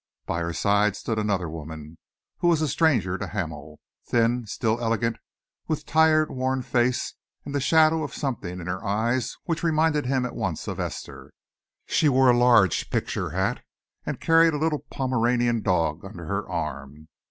By her side stood another woman who was a stranger to Hamel thin, still elegant, with tired, worn face, and the shadow of something in her eyes which reminded him at once of Esther. She wore a large picture hat and carried a little Pomeranian dog under her arm.